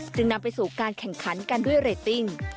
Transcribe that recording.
นำไปสู่การแข่งขันกันด้วยเรตติ้ง